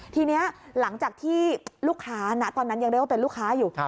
ทีนี้หลังจากที่ลูกค้านะตอนนั้นยังเรียกว่าเป็นลูกค้าอยู่